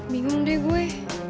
mingung deh gue